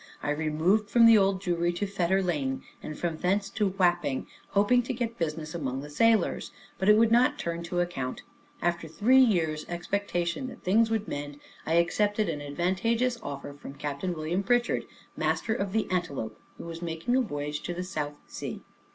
I removed from the Old Jewry to Fetter Lane, and from thence to Wapping, hoping to get business among the sailors; but it would not turn to account. After three years' expectation that things would mend, I accepted an advantageous offer from Captain William Prichard, master of the Antelope, who was making a voyage to the South Sea.